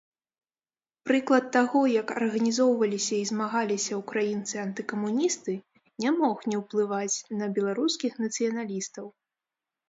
Прыклад таго, як арганізоўваліся і змагаліся ўкраінцы-антыкамуністы, не мог не ўплываць на беларускіх нацыяналістаў.